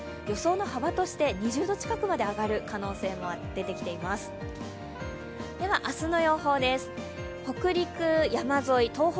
予想の幅として２０度近くまで上がる可能性も出てきています。